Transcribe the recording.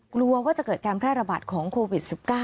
กลัวว่าจะเกิดการแพร่ระบาดของโควิด๑๙